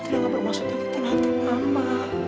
satria nggak bermaksud begitu nanti mama